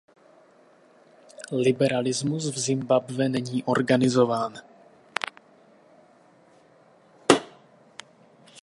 Liberalismus v Zimbabwe není organizován.